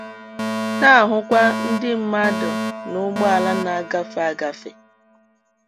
na-ahụkwa ndị mmadụ na ụgbọala na-agafe agafè.